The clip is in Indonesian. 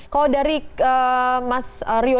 kalau dari mas rio